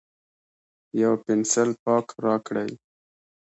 یو پینسیلپاک راکړئ